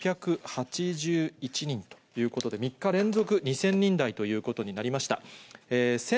２６８１人ということで、３日連続２０００人台ということになりました。